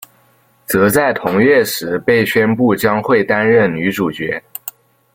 则在同月时被宣布将会担任女主角。